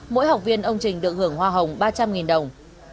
mỗi học viên ông trình được hưởng hoa hồng ba trăm linh đồng